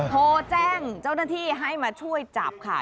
โทรแจ้งเจ้าหน้าที่ให้มาช่วยจับค่ะ